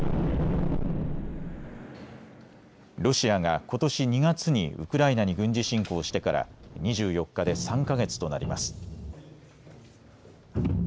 ロシアがことし２月にウクライナに軍事侵攻してから２４日で３か月となります。